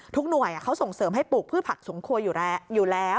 หน่วยเขาส่งเสริมให้ปลูกพืชผักสมครัวอยู่แล้ว